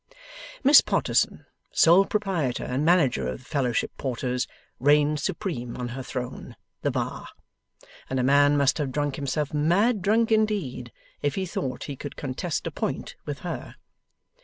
Miss Potterson, sole proprietor and manager of the Fellowship Porters, reigned supreme on her throne, the Bar, and a man must have drunk himself mad drunk indeed if he thought he could contest a point with her.